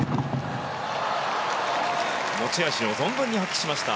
持ち味を存分に発揮しました。